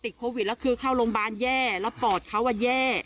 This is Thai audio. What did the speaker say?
โควิดแล้วคือเข้าโรงพยาบาลแย่แล้วปอดเขาแย่